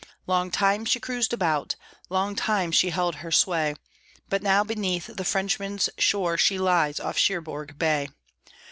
Long time she cruised about, Long time she held her sway, But now beneath the Frenchman's shore she lies off Cherbourg Bay.